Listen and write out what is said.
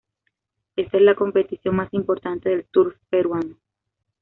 Esta es la competición más importante del turf peruano.